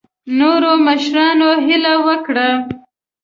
نورو مشرانو هیله وکړه.